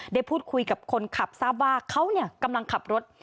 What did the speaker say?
ได้พูดคุยกับคนขับทราบว่าเขากำลังขับรถ